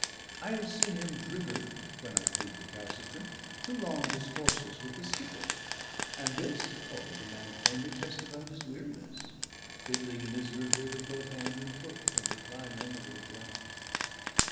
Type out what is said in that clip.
I have seen him driven, when I proved recalcitrant, to long discourses with the skipper; and this, although the man plainly testified his weariness, fiddling miserably with both hand and foot, and replying only with a grunt.